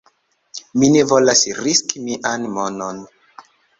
Mi ne volas riski mian monon